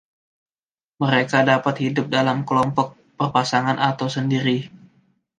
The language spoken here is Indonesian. Mereka dapat hidup dalam kelompok, berpasangan, atau sendiri.